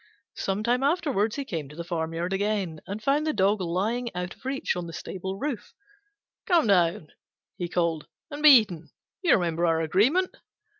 Some time afterwards he came to the farmyard again, and found the Dog lying out of reach on the stable roof. "Come down," he called, "and be eaten: you remember our agreement?"